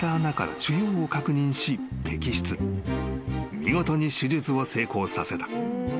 ［見事に手術を成功させた］